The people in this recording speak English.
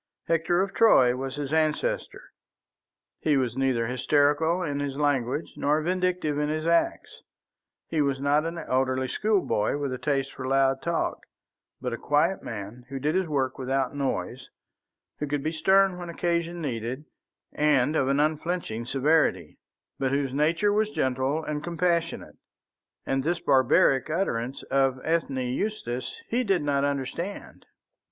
Hector of Troy was his ancestor; he was neither hysterical in his language nor vindictive in his acts; he was not an elderly schoolboy with a taste for loud talk, but a quiet man who did his work without noise, who could be stern when occasion needed and of an unflinching severity, but whose nature was gentle and compassionate. And this barbaric utterance of Ethne Eustace he did not understand.